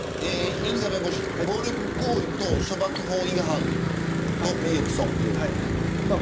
犬塚弁護士暴力行為等処罰法違反それと名誉毀損容疑。